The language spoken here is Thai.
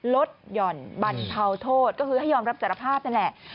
ลดหย่อนบรรเทาโทษก็คือให้ยอมรับสารภาพนั่นแหละ